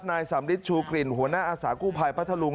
นายสำริทชูกลิ่นหัวหน้าอาสากู้ภัยพัทธลุง